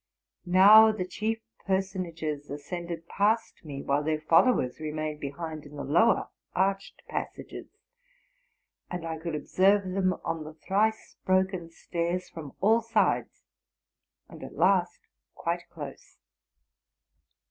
Now the chief person ages ascended past me, while their followers remained be hind in the lower arched passages; and I could observe them on the thrice broken stairs from all sides, and at last quite close.